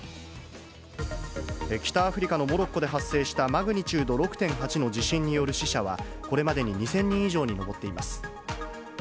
北アフリカのモロッコで発生したマグニチュード６．８の地震による死者は、これまでに２０００人以上に上っています。